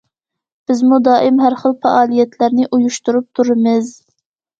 بىزمۇ دائىم ھەر خىل پائالىيەتلەرنى ئۇيۇشتۇرۇپ تۇرىمىز.